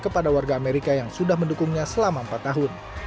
kepada warga amerika yang sudah mendukungnya selama empat tahun